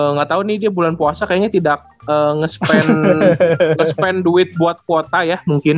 nggak tahu nih dia bulan puasa kayaknya tidak nge spend duit buat kuota ya mungkin